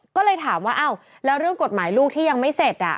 ก็เลยถามว่าอ้าวแล้วเรื่องกฎหมายลูกที่ยังไม่เสร็จ